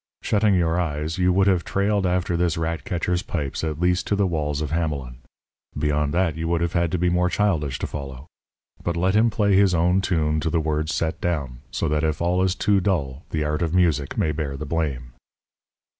Shutting your eyes, you would have trailed after this rat catcher's pipes at least to the walls of Hamelin. Beyond that you would have had to be more childish to follow. But let him play his own tune to the words set down, so that if all is too dull, the art of music may bear the blame.